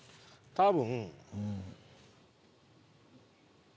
多分。